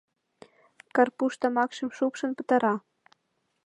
...Карпуш тамакшым шупшын пытара.